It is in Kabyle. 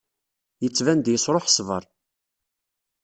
Yettban-d yesṛuḥ ṣṣber.